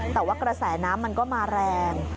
แต่ว่ากระแสน้ำมันก็มาแรง